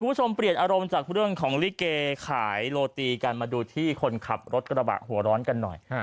คุณผู้ชมเปลี่ยนอารมณ์จากเรื่องของลิเกขายโรตีกันมาดูที่คนขับรถกระบะหัวร้อนกันหน่อย